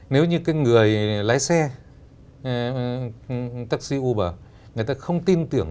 nếu như cái người lái xe taxi uber người ta không tin tưởng